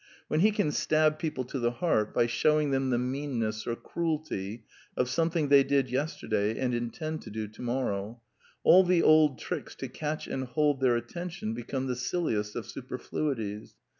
When he can stab people to the heart by shewing them the meanness or cruelty of something they did yesterday and in tend to do tomorrow, all the old tricks to catch and hold their attention become the silliest of superfluities.